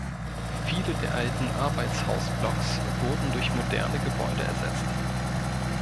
Viele der alten Arbeitshausblocks wurden durch moderne Gebäude ersetzt.